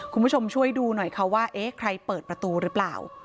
คุณผู้ชมช่วยดูหน่อยค่ะว่าเอ๊ะใครเปิดประตูหรือเปล่า